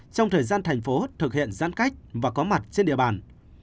trong thời gian thành phố thực hiện giãn cách và có mặt trên địa bàn